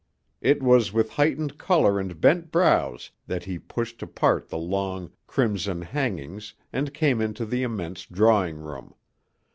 It was with heightened color and bent brows that he pushed apart the long, crimson hangings and came into the immense drawing room.